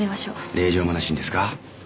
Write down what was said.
令状もなしにですか？